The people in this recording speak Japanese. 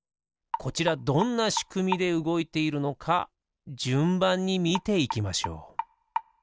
こちらどんなしくみでうごいているのかじゅんばんにみていきましょう。